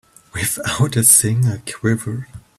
Without a single quiver.